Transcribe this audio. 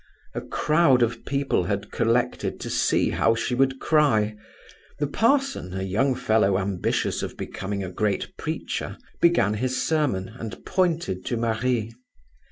"A crowd of people had collected to see how she would cry. The parson, a young fellow ambitious of becoming a great preacher, began his sermon and pointed to Marie.